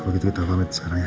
begitu kita pamit sekarang ya